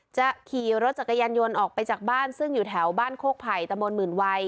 จะขี่รถจักรยานยนต์ออกไปจากบ้านซึ่งอยู่แถวบ้านโคกไผ่ตะมนต์หมื่นวัย